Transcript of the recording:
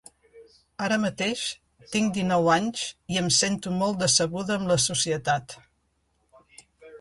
Ara mateix tinc dinou anys i em sento molt decebuda amb la societat.